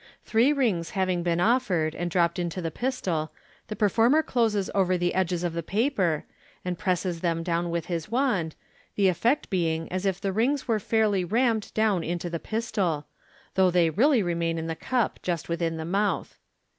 Three rings having been offered, and dropped into the pistol, the performer closes over the edges of the paper, and presses them down with his wand, the effect being as if the rings were fairly rammed down into the pistol, though they really remain in the cup, just within the mouth.